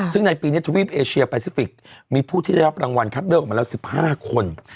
ซึ่งในปีนี้ทวีปเอเชียแปซิฟิกมีผู้ที่ได้รับรางวัลคัดเลือกออกมาแล้ว๑๕คน